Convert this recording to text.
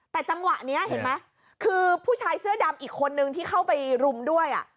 แต่จังหวะนี้เห็นไหมคือผู้ชายเสื้อดำอีกคนนึงที่เข้าไปรุมด้วย